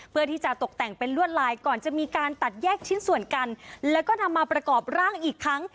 เพื่อที่จะตกแต่งเป็นลวดลายก่อนจะมีการตัดแยกชิ้นส่วนกันแล้วก็นำมาประกอบร่างอีกครั้ง